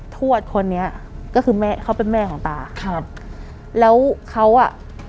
ทวดคนนี้ก็คือแม่เขาเป็นแม่ของตาครับแล้วเขาอ่ะ